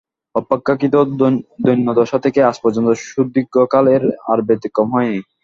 অপেক্ষাকৃত দৈন্যদশা থেকে আজ পর্যন্ত সুদীর্ঘকাল এর আর ব্যতিক্রম হয় নি।